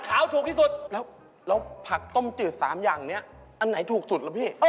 หรือแล้วผักตำจืด๓อย่างนี้อันไหนถูกสุดละพี่